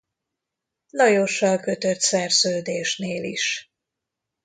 Lajossal kötött szerződésnél is.